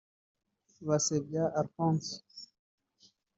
Basebya Alphonse